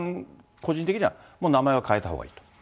個人的には名前は変えたほうがいいと？